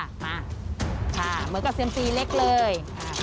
มาค่ะเหมือนกับเซียมซีเล็กเลย